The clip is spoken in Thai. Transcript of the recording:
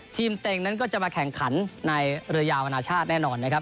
เต็งนั้นก็จะมาแข่งขันในเรือยาวอนาชาติแน่นอนนะครับ